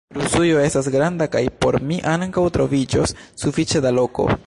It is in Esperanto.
Rusujo estas granda, kaj por mi ankaŭ troviĝos sufiĉe da loko!